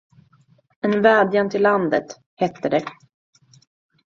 En vädjan till landet, hette det.